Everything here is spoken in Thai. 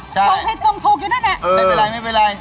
ใช่ส่งผิดส่งถูกส่งผิดส่งถูกอยู่ด้านเนี่ย